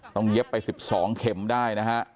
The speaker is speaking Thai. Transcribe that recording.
ต้องเย็บไปสิบสองเข็มได้นะฮะ